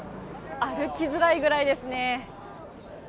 歩きづらいぐらいですね。